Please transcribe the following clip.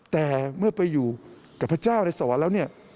แต่เมื่อไปอยู่กับพระเจ้าในสวรรค์แล้วเนี่ย